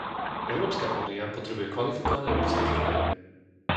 Európska únia potrebuje kvalifikované ľudské zdroje.